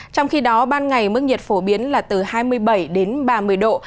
trong khi đó ban ngày mức nhiệt phổ biến là từ hai mươi bảy đến ba mươi độ